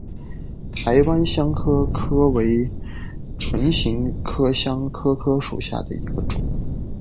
台湾香科科为唇形科香科科属下的一个种。